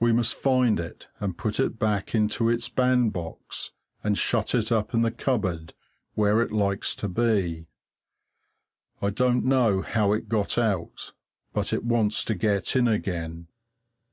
We must find it and put it back into its bandbox and shut it up in the cupboard, where it likes to be. I don't know how it got out, but it wants to get in again.